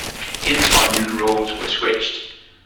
In time, the roles were switched.